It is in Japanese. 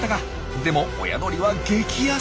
でも親鳥は激ヤセ！